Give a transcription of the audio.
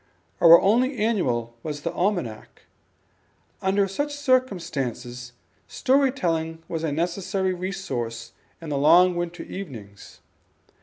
Our only annual was the Almanac. Under such circumstances story telling was a necessary resource in the long winter evenings.